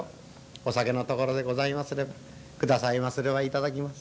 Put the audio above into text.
『お酒のところでございますれば下さいますれば頂きます。